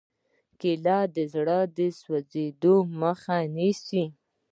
کېله د زړه د سوځېدو مخه نیسي.